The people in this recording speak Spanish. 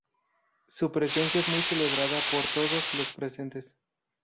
Su presencia es muy celebrada por todos los presentes.